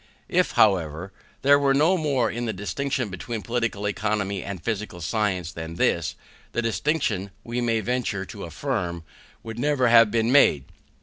If, however, there were no more in the distinction between Political Economy and physical science than this, the distinction, we may venture to affirm, would never have been made.